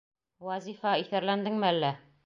Вазифа, иҫәрләндеңме әллә?